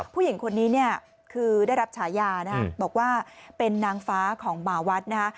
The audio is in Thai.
ผู้หญิงคนนี้เนี่ยคือได้รับฉายานะบอกว่าเป็นนางฟ้าของหมาวัดนะฮะ